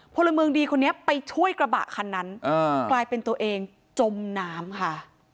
พลเมืองดีคนนี้ไปช่วยกระบะคันนั้นกลายเป็นตัวเองจมน้ำค่ะ